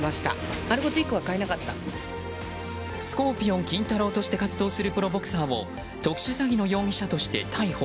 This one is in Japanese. スコーピオン金太郎として活動するプロボクサーを特殊詐欺の容疑者として逮捕。